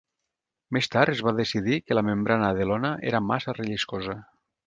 Més tard es va decidir que la membrana de lona era massa relliscosa.